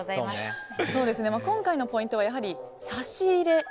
今回のポイントはやはり差し入れ。